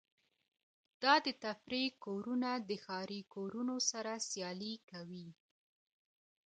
دا د تفریح کورونه د ښاري کورونو سره سیالي کوي